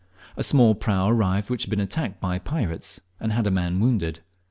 A small prau arrived which had been attacked by pirates and had a man wounded.